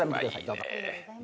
どうぞ。